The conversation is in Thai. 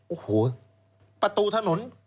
โอ้โหประตูถนน